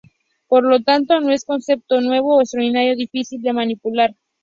Por lo tanto, no es un concepto nuevo o extraordinariamente difícil de manipular.